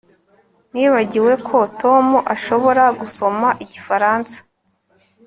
Nibagiwe ko Tom ashobora gusoma igifaransa